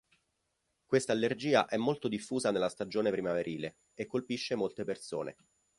Questa allergia è molto diffusa nella stagione primaverile e colpisce molte persone.